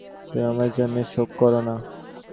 তুমি আমার জন্যে শোক কোরো না।